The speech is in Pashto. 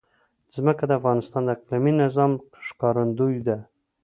ځمکه د افغانستان د اقلیمي نظام ښکارندوی ده.